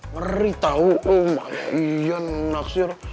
ngeri tau emaknya iyan naksir